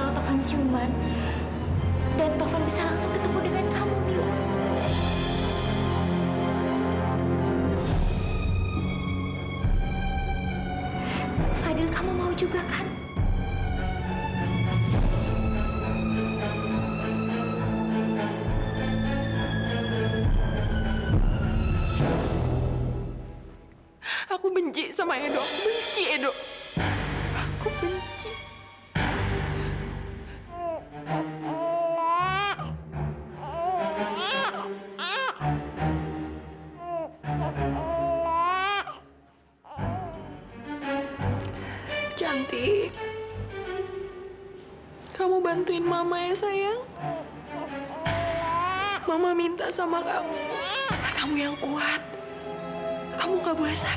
maaf maaf pa tapi kami gak bisa menuruti permintaan mawannya pa